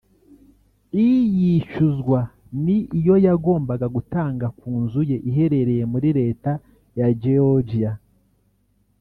I yishyuzwa ni iyo yagombaga gutanga ku nzu ye iherereye muri Leta ya Georgia